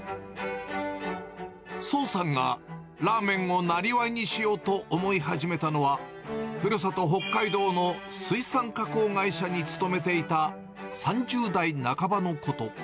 創さんがラーメンをなりわいにしようと思い始めたのは、ふるさと北海道の水産加工会社に勤めていた３０代半ばのこと。